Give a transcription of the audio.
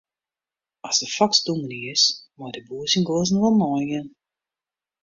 As de foks dominy is, mei de boer syn guozzen wol neigean.